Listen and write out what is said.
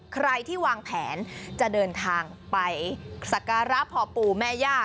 ใครที่วางแผนจะเดินทางไปสักการะพ่อปู่แม่ย่า